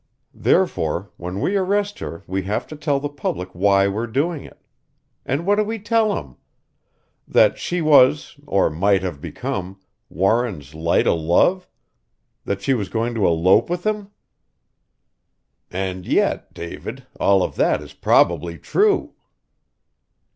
Therefore, when we arrest her we have to tell the public why we're doing it. And what do we tell 'em? That she was or might have become Warren's light o' love! That she was going to elope with him!" "And yet, David all of that is probably true."